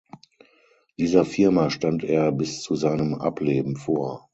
Dieser Firma stand er bis zu seinem Ableben vor.